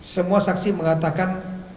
semua saksi mengatakan